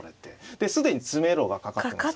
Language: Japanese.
で既に詰めろがかかってますのでね。